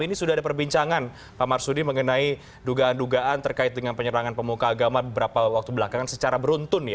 ini sudah ada perbincangan pak marsudi mengenai dugaan dugaan terkait dengan penyerangan pemuka agama beberapa waktu belakangan secara beruntun